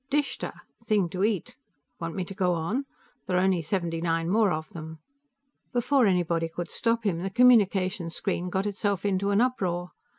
Dhishta, thing to eat. Want me to go on? There are only seventy nine more of them." Before anybody could stop him, the communication screen got itself into an uproar.